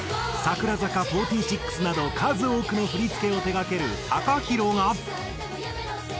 櫻坂４６など数多くの振付を手がけるＴＡＫＡＨＩＲＯが。